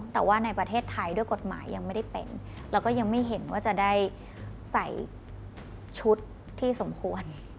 แต่ว่าในประเทศไทยด้วยกฎหมายยังไม่ได้เป็นแล้วก็ยังไม่เห็นว่าจะได้ใส่ชุดที่สมควร